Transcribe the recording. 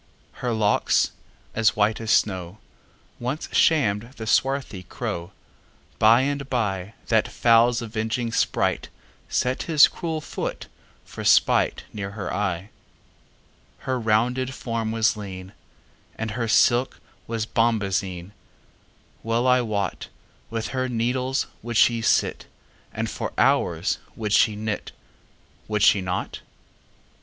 Her locks, as white as snow, Once sham'd the swarthy crow:By and byThat fowl's avenging spriteSet his cruel foot for spiteNear her eye. Her rounded form was lean, And her silk was bombazine:Well I wotWith her needles would she sit, And for hours would she knit,—Would she not?